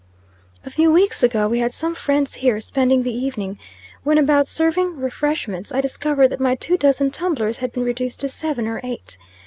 "A few weeks ago we had some friends here, spending the evening. When about serving refreshments, I discovered that my two dozen tumblers had been reduced to seven or eight.